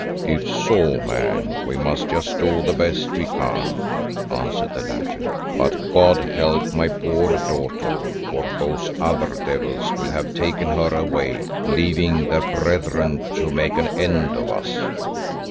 "If so, man, we must just do the best we can," answered the latter, "but God help my poor daughter, for those other devils will have taken her away, leaving their brethren to make an end of us."